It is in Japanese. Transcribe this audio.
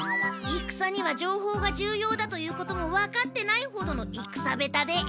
戦には情報が重要だということもわかってないほどの戦下手で。